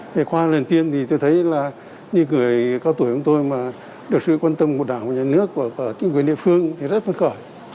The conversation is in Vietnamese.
về khoa lần tiêm thì tôi thấy là những người cao tuổi của tôi mà được sự quan tâm của đảng của nhà nước của chính quyền địa phương thì rất vất vọng